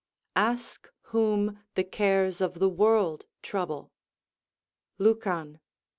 ["Ask whom the cares of the world trouble" Lucan, i.